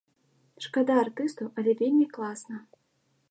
Шкада артыстаў, але вельмі класна!